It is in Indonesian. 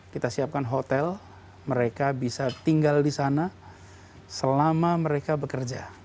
kita siapkan hotel mereka bisa tinggal di sana selama mereka bekerja